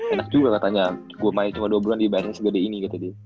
enak juga katanya gue main cuma dua bulan di bahas yang segede ini